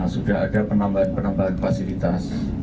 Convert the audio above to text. sudah ada penambahan penambahan fasilitas